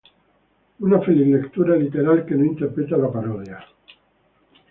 Una feliz lectura literal, que no interpreta la parodia.